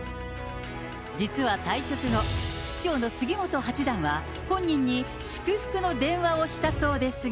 実は対局後、師匠の杉本八段は本人に祝福の電話をしたそうですが。